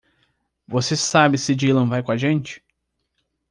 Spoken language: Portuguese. Você sabe se Dylan vai com a gente?